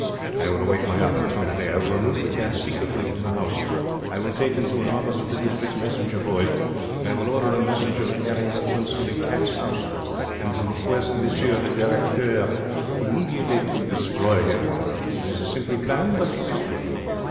I will await my opportunity. I will remove the cat secretly from the 'ouse. I will take him to an office of the District Messenger Boys. I will order a messenger to carry him at once to the Cats' House, and to request M. le Directeur immediately to destroy him. It is a simple plan, but it is good.